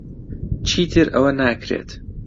چیتر ئەوە ناکرێت.